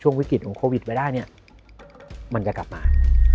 วิกฤตของโควิดไว้ได้เนี่ยมันจะกลับมา